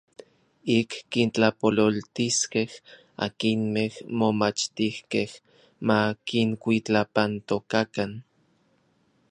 Ik kintlapololtiskej akinmej momachtijkej ma kinkuitlapantokakan.